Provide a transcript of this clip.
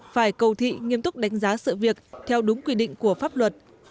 phải cầu thị nghiêm túc đánh giá sự việc theo đúng quy định của pháp luật